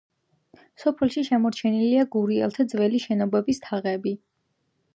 სოფელში შემორჩენილია გურიელთა ძველი შენობების თაღები.